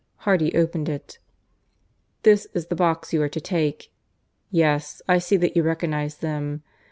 Hardy opened it. "This is the box you are to take. Yes; I see that you recognize them.